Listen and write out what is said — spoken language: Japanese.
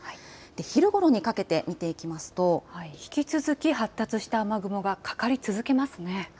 昼ごろにかけて見ていきますと引き続き発達した雨雲がかかり続けますね。